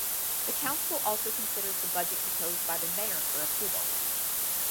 The council also considers the budget proposed by the mayor for approval.